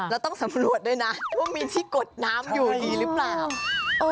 แล้วต้องสำรวจด้วยนะว่ามีที่กดน้ำอยู่ดีหรือเปล่า